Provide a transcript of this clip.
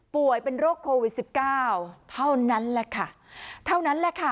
ป่วยเป็นโรคโควิดสิบเก้าเท่านั้นแหละค่ะเท่านั้นแหละค่ะ